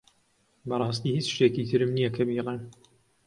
بەڕاستی هیچ شتێکی ترم نییە کە بیڵێم.